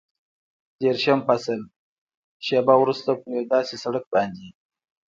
دېرشم فصل، شېبه وروسته پر یو داسې سړک باندې.